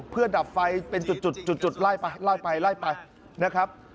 เพื่อดับไฟเป็นจุดไล่ไปนะครับ